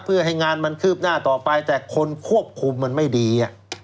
เพื่อให้งานมันคืบหน้าต่อไปแต่คนควบคุมมันไม่ดี